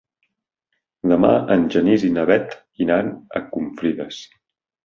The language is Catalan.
Demà en Genís i na Bet iran a Confrides.